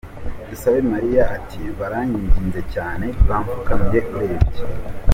Dusabemariya ati “Baranyinginze cyane, bamfukamiye urebye.